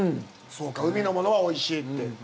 そうか、海のものはおいしいって。